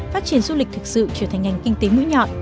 phát triển du lịch thực sự trở thành ngành kinh tế mũi nhọn